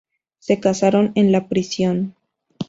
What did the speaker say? Se casaron en la prisión.